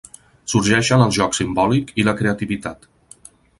Sorgeixen el joc simbòlic i la creativitat.